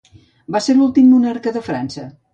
Va ser l'últim monarca de França.